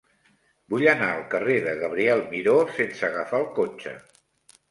Vull anar al carrer de Gabriel Miró sense agafar el cotxe.